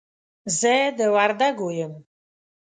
زه د وردګو يم.